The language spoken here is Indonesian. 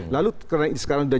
lalu sekarang sudah jelas